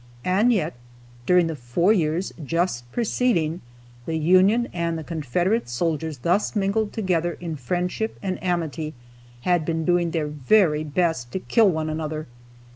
And yet, during the four years just preceding, the Union and the Confederate soldiers thus mingled together in friendship and amity had been doing their very best to kill one another!